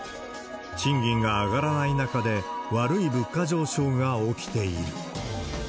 賃金が上がらない中で、悪い物価上昇が起きている。